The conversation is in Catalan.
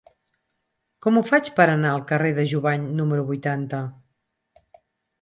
Com ho faig per anar al carrer de Jubany número vuitanta?